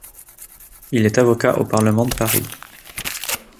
Il est avocat au Parlement de Paris.